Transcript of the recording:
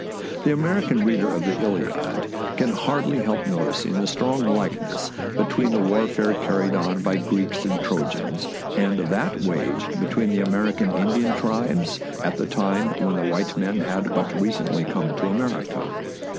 The American reader of the " Iliad " can hardly help noticing the strong likeness between the warfare carried on by Greeks and Trojans and that waged between the American Indian tribes at the time when the white men had but recently come to America.